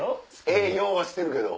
営業はしてるけど？